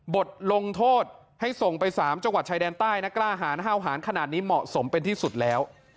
บทลงโทษให้ส่งไป๓จังหวัดชายแดนใต้นะกล้าหารห้าวหารขนาดนี้เหมาะสมเป็นที่สุดแล้ว